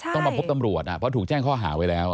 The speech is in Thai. ต้องมาพบตำรวจเพราะถูกแจ้งข้อหาไว้แล้ว